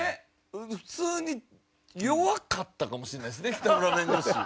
普通に弱かったかもしれないですね北村弁護士。